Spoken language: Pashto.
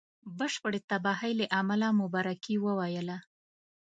بشپړي تباهی له امله مبارکي وویله.